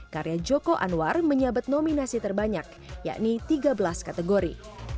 karya joko anwar menyabet nominasi terbanyak yakni tiga belas kategori